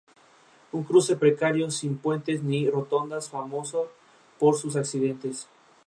Un cruce precario sin puentes ni rotondas famoso por sus accidentes.